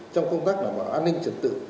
trong công tác đảm bảo an ninh trật tự